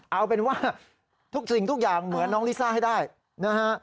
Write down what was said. เอาเป็นว่าทุกสิ่งทุกอย่างเหมือนน้องลิซ่าให้ได้นะฮะ